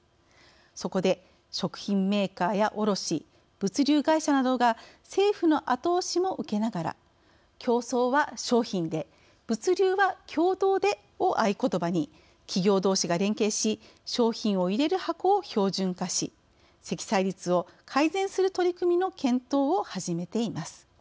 そこで、食品メーカーや卸物流会社などが政府の後押しも受けながら「競争は商品で、物流は共同で」を合言葉に企業どうしが連携し商品を入れる箱を標準化し積載率を改善する取り組みの検討を始めています。